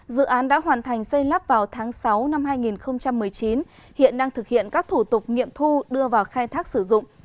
dự án đã hoàn thành xây lắp vào tháng sáu năm hai nghìn một mươi chín hiện đang thực hiện các thủ tục nghiệm thu đưa vào khai thác sử dụng